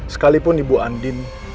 sekalipun ibu andin